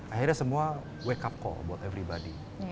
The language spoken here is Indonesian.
akhirnya semua wake up kok buat everybody